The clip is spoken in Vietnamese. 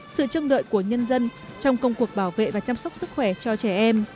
sự trông đợi của nhân dân trong công cuộc bảo vệ và chăm sóc sức khỏe cho trẻ em